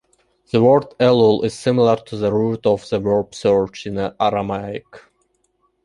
The word "Elul" is similar to the root of the verb "search" in Aramaic.